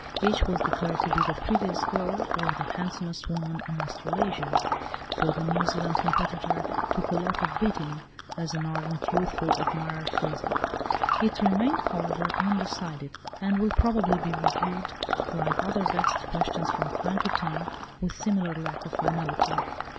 Each was declared to be the prettiest girl, or the handsomest woman in Australasia—for the New Zealand competitor "took a lot of beating," as an ardent youthful admirer phrased it. It remained, however, undecided, and will probably be revived, like other vexed questions from time to time, with similar lack of finality.